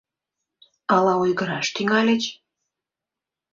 Ала ойгыраш тӱҥальыч?